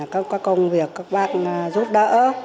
các công việc các bác giúp đỡ